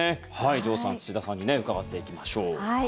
城さん、土田さんに伺っていきましょう。